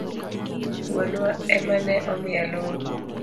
Wuonwa ema ne omiya lowo.